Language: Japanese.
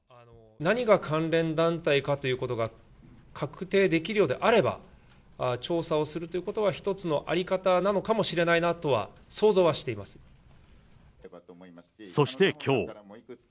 何が関連団体かということが確定できるようであれば、調査をするということは一つの在り方なのかもしれないなとは想像そしてきょう。